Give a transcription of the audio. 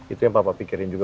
itu yang bapak pikirin juga